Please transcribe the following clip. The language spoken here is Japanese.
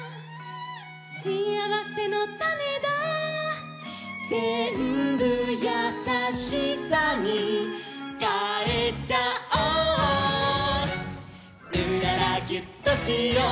「しあわせのたねだ」「ぜんぶやさしさにかえちゃおう」「うららギュッとしよう」「」